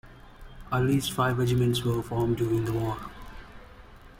At least five regiments were formed during the war.